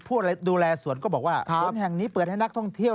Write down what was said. ดูแลสวนก็บอกว่าสวนแห่งนี้เปิดให้นักท่องเที่ยว